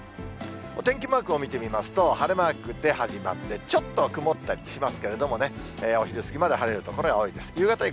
お天気マークを見てみますと、晴れマークで始まって、ちょっと曇ったりしますけれどもね、お昼過ぎまで晴れる所が多いです。